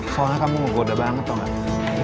soalnya kamu mau goda banget tau gak